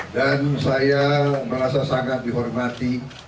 dan saya merasa sangat dihormati